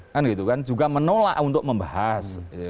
kan gitu kan juga menolak untuk membahas